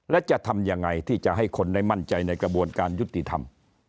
และจะทำยังไงที่จะให้คนได้มั่นใจในกระบวนการยุติธรรม